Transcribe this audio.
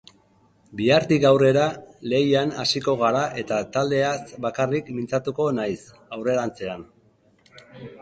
Bihartik aurrera lehian hasiko gara eta taldeaz bakarrik mintzatuko naiz aurrerantzean.